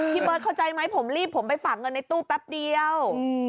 เบิร์ตเข้าใจไหมผมรีบผมไปฝากเงินในตู้แป๊บเดียว